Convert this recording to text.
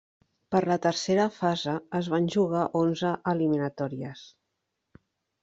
Per la tercera fase es van jugar onze eliminatòries.